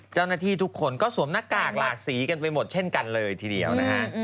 เจ้าหน้าที่ทุกคนก็สวมหน้ากากหลากสีกันไปหมดเช่นกันเลยทีเดียวนะฮะ